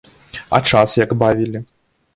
А час як бавілі?